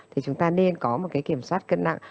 thì chúng ta nên có một cái kiểm soát cân nặng